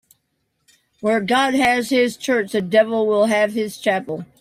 Where God has his church, the devil will have his chapel.